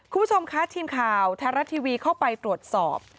คุณผู้ชมคะทีมข่าวไทยรัฐทีวีเข้าไปตรวจสอบ